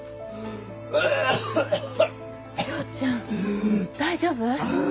遼ちゃん大丈夫？